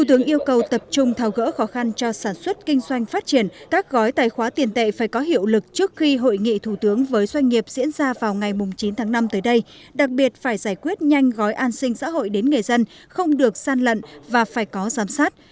trong trường thao gỡ khó khăn cho sản xuất kinh doanh phát triển các gói tài khoá tiền tệ phải có hiệu lực trước khi hội nghị thủ tướng với doanh nghiệp diễn ra vào ngày chín tháng năm tới đây đặc biệt phải giải quyết nhanh gói an sinh xã hội đến người dân không được san lận và phải có giám sát